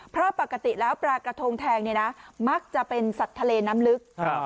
เพราะปกติแล้วปลากระทงแทงเนี่ยนะมักจะเป็นสัตว์ทะเลน้ำลึก